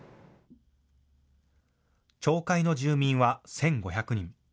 町会の住民は１５００人。